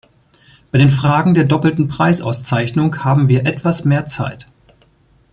Bei den Fragen der doppelten Preisauszeichnung haben wir etwas mehr Zeit.